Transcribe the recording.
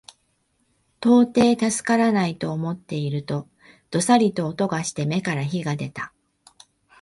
到底助からないと思っていると、どさりと音がして眼から火が出た